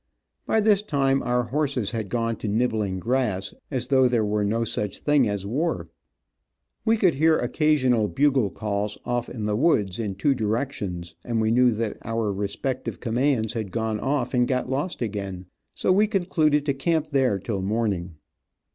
By this time our horses had gone to nibbling grass, as though there were no such thing as war. We could hear occasional bugle calls off in the woods in two directions, and knew that our respective commands had gone off and got lost again, so we concluded to camp there till morning.